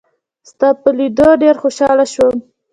ستا په لیدو ډېر خوشاله شوم.